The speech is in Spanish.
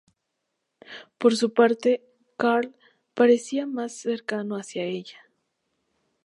Por su parte Carl parece ser más cercano hacia ella.